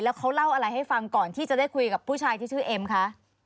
เขาเล่าอะไรให้ฟังก่อนที่จะได้คุยกับผู้ชายที่ชื่อเอ็มคะ